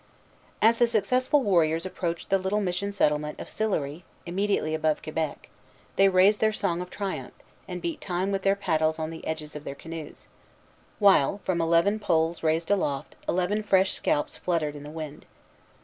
As the successful warriors approached the little mission settlement of Sillery, immediately above Quebec, they raised their song of triumph, and beat time with their paddles on the edges of their canoes; while, from eleven poles raised aloft, eleven fresh scalps fluttered in the wind.